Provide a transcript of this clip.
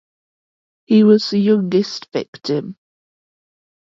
He was the youngest victim.